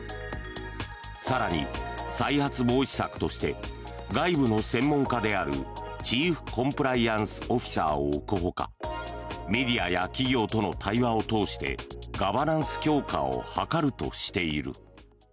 更に、再発防止策として外部の専門家であるチーフ・コンプライアンス・オフィサーを置くほかメディアや企業との対話を通してガバナンス強化を図るとしている。